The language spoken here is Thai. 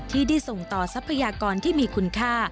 ที่ได้ส่งต่อทรัพยากรที่มีคุณค่า